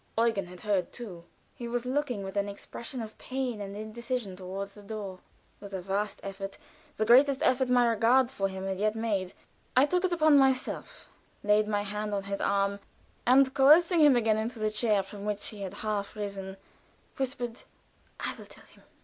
Eugen had heard too; he was looking, with an expression of pain and indecision, toward the door. With a vast effort the greatest my regard for him had yet made I took it upon myself, laid my hand on his arm, and coercing him again into the chair from which he had half risen, whispered: "I will tell him.